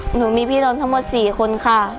หนูมีพี่น้องทั้งหมด๔คนค่ะ